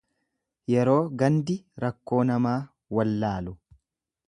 Yeroo gandi rakkoo namaa wallaalu.